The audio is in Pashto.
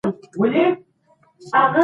مرګ د ژوند یوه طبیعي برخه ده.